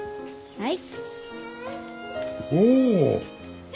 はい。